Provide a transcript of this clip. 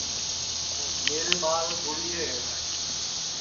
میرے ٻاݪ گُڑی رے ہے